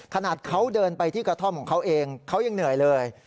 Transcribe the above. ขนาดเขาเดินไปที่กระท่อมของเขาเองเขายังเหนื่อยเลย